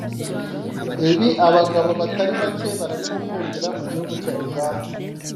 ibi abagabo batari bake barabimukundira mugihugu cya Uganda